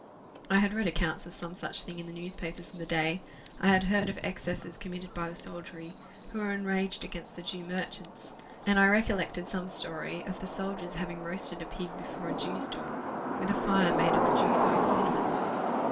I had read accounts of some such thing in the newspapers of the day; I had heard of excesses committed by the soldiery, who were enraged against the Jew merchants; and I recollected some story [Footnote: Drinkwater's Siege of Gibraltar.] of the soldiers having roasted a pig before a Jew's door, with a fire made of the Jew's own cinnamon.